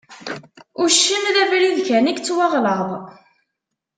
Uccen d abrid kan i yettwaɣlaḍ.